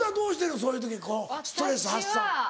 そういう時ストレス発散。